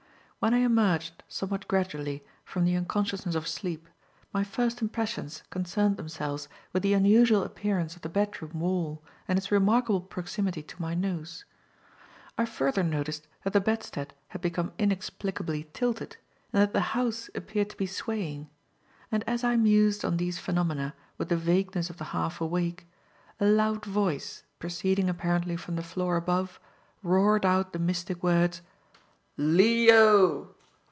When I emerged, somewhat gradually, from the unconsciousness of sleep, my first impressions concerned themselves with the unusual appearance of the bedroom wall and its remarkable proximity to my nose. I further noticed that the bedstead had become inexplicably tilted and that the house appeared to be swaying; and as I mused on these phenomena with the vagueness of the half awake, a loud voice, proceeding apparently from the floor above, roared out the mystic words, "Lee O!"